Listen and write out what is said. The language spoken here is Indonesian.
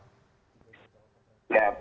ya semangatnya itu